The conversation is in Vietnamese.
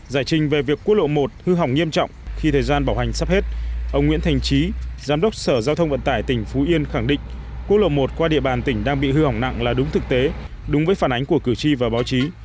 giải trình về việc quốc lộ một hư hỏng nghiêm trọng khi thời gian bảo hành sắp hết ông nguyễn thành trí giám đốc sở giao thông vận tải tỉnh phú yên khẳng định quốc lộ một qua địa bàn tỉnh đang bị hư hỏng nặng là đúng thực tế đúng với phản ánh của cử tri và báo chí